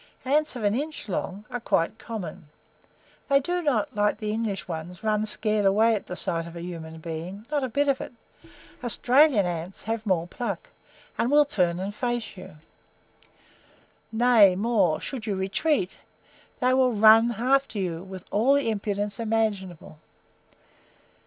Ants of an inch long are quite common. They do not like the English ones run scared away at the sight of a human being not a bit of it; Australian ants have more PLUCK, and will turn and face you. Nay, more, should you RETREAT, they will run after you with all the impudence imaginable.